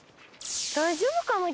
大丈夫かな？